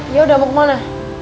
yaudah mau kemana